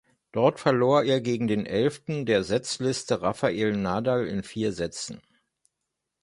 Dort verlor er gegen den elften der Setzliste Rafael Nadal in vier Sätzen.